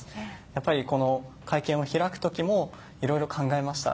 やっぱり、この会見を開くときもいろいろ考えました。